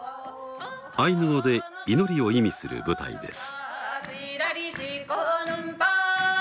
アイヌ語で祈りを意味する舞台です。